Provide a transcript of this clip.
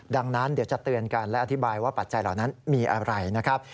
ดังนั้นเดี๋ยวจะเตือนกันและอธิบายว่าปัจจัยเหล่านั้นมีอะไรนะครับ